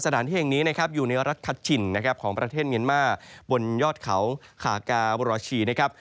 สถานที่แห่งนี้นะครับอยู่ในรัฐคัชชินนะครับของประเทศเมียนมาร์บนยอดเขาคากาบรชีนะครับ